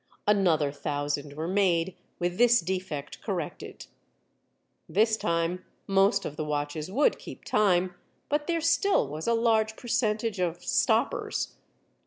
Another thousand were made with this defect corrected. This time most of the watches would keep time, but there still was a large percentage of "stoppers."